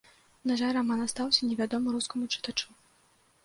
На жаль, раман астаўся невядомы рускаму чытачу.